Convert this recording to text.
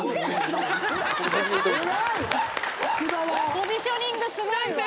ポジショニングすごいわ。